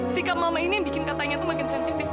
sikap mama ini yang bikin katanya tuh makin sensitif